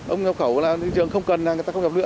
ông nhập khẩu là thị trường không cần người ta không nhập nữa